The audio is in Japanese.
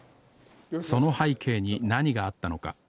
その背景に何があったのか。